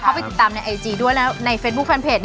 เข้าไปติดตามในไอจีด้วยแล้ว